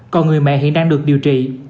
còn người mẹ hiện đang được điều trị